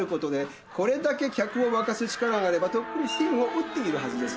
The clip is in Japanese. これだけ客をわかす力があればとっくに真を打っているはずです。